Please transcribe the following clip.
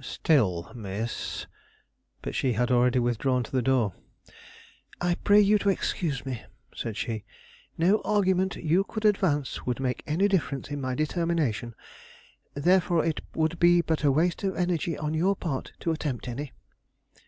"Still, Miss " But she had already withdrawn to the door. "I pray you to excuse me," said she. "No argument you could advance would make any difference in my determination; therefore it would be but a waste of energy on your part to attempt any."